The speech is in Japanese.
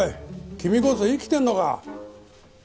君こそ生きてるのか？